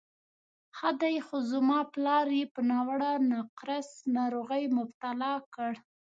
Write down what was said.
ښه دی، خو زما پلار یې په ناوړه نقرس ناروغۍ مبتلا کړ.